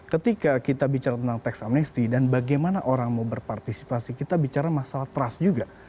ketika kita bicara tentang tax amnesti dan bagaimana orang mau berpartisipasi kita bicara masalah trust juga